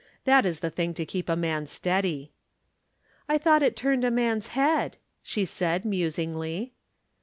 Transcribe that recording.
"That is the thing to keep a man steady." "I thought it turned a man's head," she said musingly.